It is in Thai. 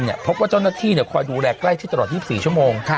พบว่าเจ้าหน้าที่คอยดูแลใกล้ชิดตลอด๒๔ชั่วโมง